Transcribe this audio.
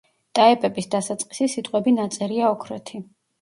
ტაეპების დასაწყისი სიტყვები ნაწერია ოქროთი.